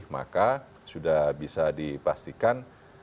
maka sudah bisa dipastikan